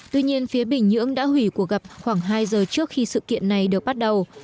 tuy nhiên phía bình nhưỡng đã hủy cuộc gặp khoảng hai giờ trước khi sự kiện này được bắt đầu